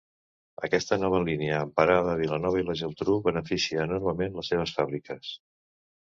Aquesta nova línia, amb parada a Vilanova i la Geltrú, beneficia enormement les seves fàbriques.